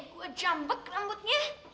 gue jembek rambutnya